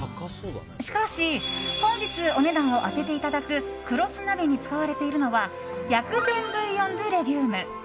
しかし、本日お値段を当てていただく食労寿鍋に使われているのは薬膳ブイヨン・ドゥ・レギューム。